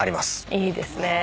いいですね。